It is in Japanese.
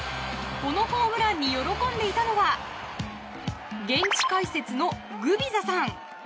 このホームランに喜んでいたのは現地解説のグビザさん。